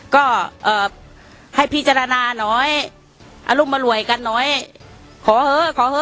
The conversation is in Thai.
ก็เอ่อให้พิจารณาน้อยอรุมอร่วยกันน้อยขอเหอะขอเหอ